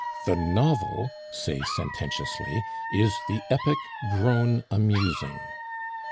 'The Novel,' say sententiously, 'is the Epic grown amusing.